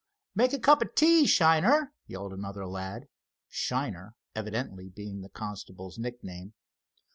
"Make a cup of tea, Shiner!" yelled another lad, "Shiner" evidently being the constable's nickname.